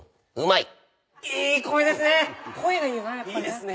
いいですね。